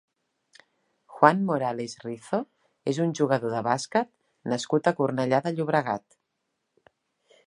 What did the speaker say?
Juan Morales Rizo és un jugador de bàsquet nascut a Cornellà de Llobregat.